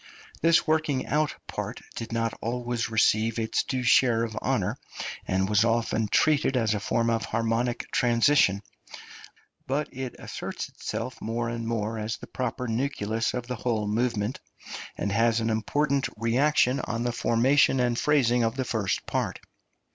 This working out part did not always receive its due share of honour, and was often treated as a form of harmonic transition; but it asserts itself more and more as the proper nucleus of the whole movement, and has an important reaction on the formation and phrasing of the first part.